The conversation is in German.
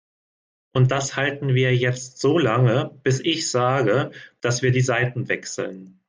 Und das halten wir jetzt so lange, bis ich sage, dass wir die Seiten wechseln.